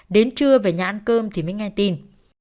đến trưa về nhà ăn cơm thì mới nghe tin